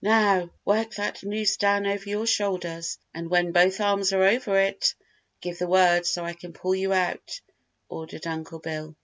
"Now, work that noose down over your shoulders, and when both arms are over it give the word so I can pull you out," ordered Uncle Bill.